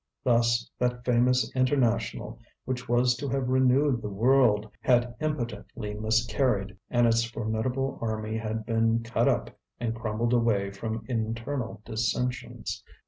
Thus that famous International which was to have renewed the world had impotently miscarried, and its formidable army had been cut up and crumbled away from internal dissensions.